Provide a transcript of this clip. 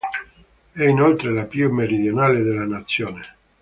È inoltre la più meridionale della nazione.